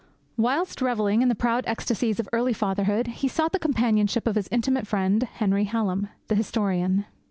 Whilst revelling in the proud ecstasies of early fatherhood, he sought the companionship of his intimate friend, Henry Hallam, the historian.